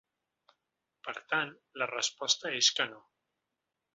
Per tant, la resposta és que no.